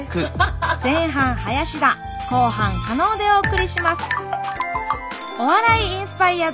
前半林田後半加納でお送りします